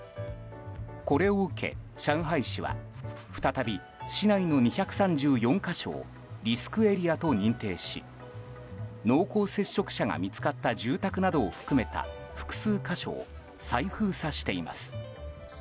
これを受け上海市は再び市内の２３４か所をリスクエリアと認定し濃厚接触者が見つかった住宅などを含めた複数箇所を再封鎖しています。